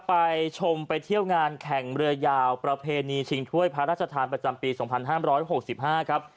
ไปชมไปเที่ยวงานแข่งเรือยาวประเพณีชิงถ้วยพระราชทานประจำปีสองพันห้าร้อยหกสิบห้าครับ